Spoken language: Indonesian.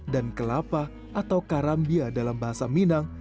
dan kelapa atau karambia dalam bahasa minang